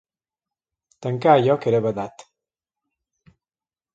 Tancar allò que era badat.